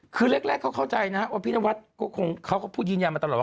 คือแรกเขาเข้าใจนะว่าพี่นวัดก็คงเขาก็พูดยืนยันมาตลอดว่า